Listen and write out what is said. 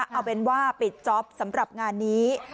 เอาเป็นว่าปิดจ๊อปสำหรับงานนี้